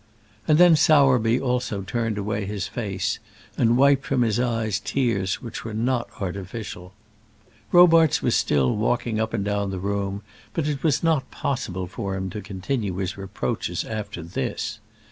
And then Sowerby also turned away his face, and wiped from his eyes tears which were not artificial. Robarts was still walking up and down the room, but it was not possible for him to continue his reproaches after this.